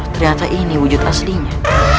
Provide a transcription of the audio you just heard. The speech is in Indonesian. ternyata ini wujud aslinya